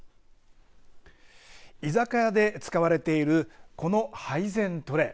居酒屋で使われているこの配膳トレー。